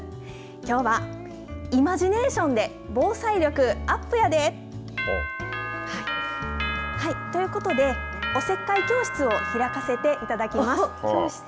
きょうはイマジネーションで防災力アップやで。ということでおせっかい教室を開かせていただきます。